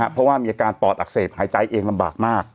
เพราะว่ามีอาการปอดอักเสบหายใจเองลำบากมาก